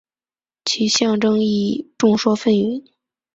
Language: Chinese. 其象征意义众说纷纭。